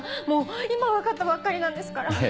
もう今分かったばっかりなんですから。